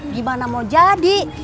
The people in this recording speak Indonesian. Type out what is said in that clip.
gimana mau jadi